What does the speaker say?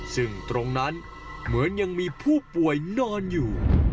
ซึ่งตรงนั้นเหมือนยังมีผู้ป่วยนอนอยู่